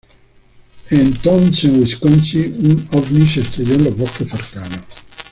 En Townsend, Wisconsin, un ovni se estrella en los bosques cercanos.